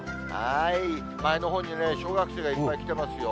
前のほうにね、小学生がいっぱい来てますよ。